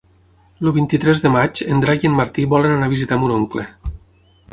El vint-i-tres de maig en Drac i en Martí volen anar a visitar mon oncle.